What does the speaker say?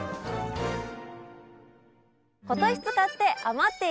今年使って余っているタネ。